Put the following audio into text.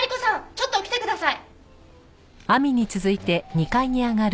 ちょっと来てください！